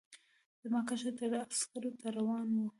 زما کشر تره عسکرۍ ته روان و.